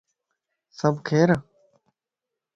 سڀ خير؟